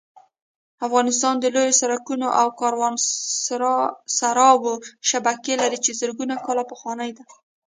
افغانستان د لویو سړکونو او کاروانسراوو شبکه لري چې زرګونه کاله پخوانۍ ده